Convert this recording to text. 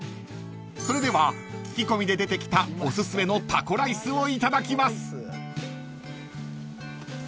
［それでは聞き込みで出てきたおすすめのタコライスをいただきます］